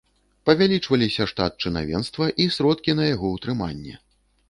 Павялічваліся штат чынавенства і сродкі на яго ўтрыманне.